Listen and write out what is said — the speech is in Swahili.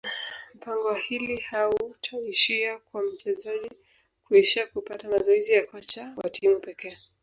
mpango wa hili hautaishia kwa mchezaji kuishia kupata mazoezi ya kocha wa timu pekee